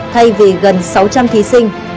thay vì gần sáu trăm linh thí sinh